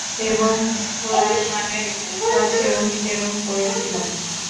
এবং সুলায়মানের কাছে ওহী প্রেরণ করেছিলাম।